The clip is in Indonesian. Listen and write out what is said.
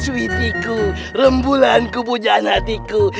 sweetiku rembulanku punya hatiku